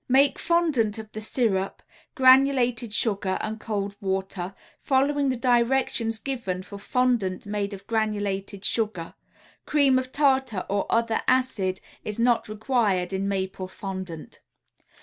Make fondant of the syrup, granulated sugar and cold water, following the directions given for fondant made of granulated sugar (cream of tartar or other acid is not required in maple fondant).